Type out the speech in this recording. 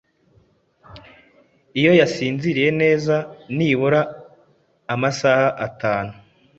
iyo yasinziriye neza nibura amasaha atanu ,